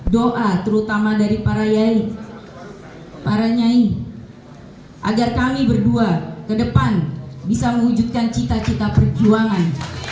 doa terutama dari para yai para nyai agar kami berdua ke depan bisa mewujudkan cita cita perjuangan